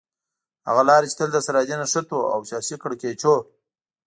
هغه لارې چې تل د سرحدي نښتو او سياسي کړکېچونو